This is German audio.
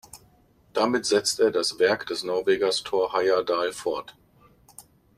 Damit setzt er das Werk des Norwegers Thor Heyerdahl fort.